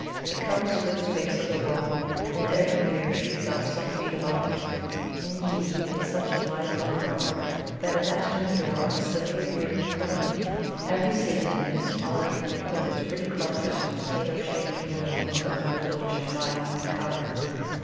It covers a good space of wall, and every year shoots up some feet above it; indeed it is such a lively grower that it has to endure a severe yearly pruning. Every season it is smothered with its pretty clusters of potato shaped bloom of a good bluish lilac colour.